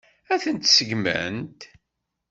Ad ten-seggment?